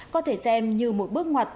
có thể xem như một bước ngoặt